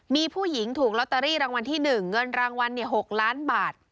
มีผู้หญิงถูกลอตเตอรี่รางวัลที่๑เงินรางวัล๖ล้านบาท